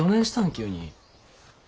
急に。